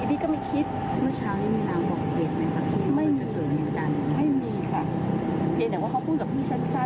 พี่ก็นึกว่าเราจะได้ความเป็นธรรม